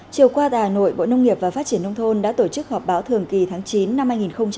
chiều qua tại hà nội bộ nông nghiệp và phát triển nông thôn đã tổ chức họp báo thường kỳ tháng chín năm hai nghìn một mươi chín